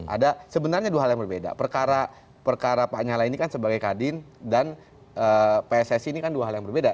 ada sebenarnya dua hal yang berbeda perkara pak nyala ini kan sebagai kadin dan pssi ini kan dua hal yang berbeda